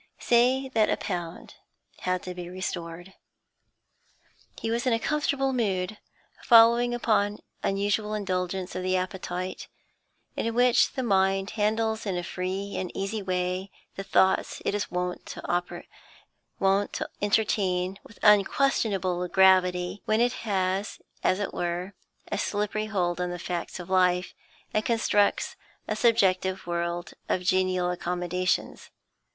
Say that a pound had to be restored. He was in the comfortable mood, following upon unusual indulgence of the appetite, in which the mind handles in a free and easy way the thoughts it is wont to entertain with unquestionable gravity; when it has, as it were, a slippery hold on the facts of life, and constructs a subjective world of genial accommodations.